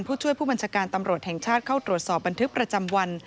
ผู้ช่วยผู้บัญชาการตำรวจแห่งชาติเข้าตรวจสอบบันทึกประจำวัน